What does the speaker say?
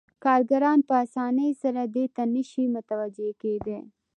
کارګران په اسانۍ سره دې ته نشي متوجه کېدای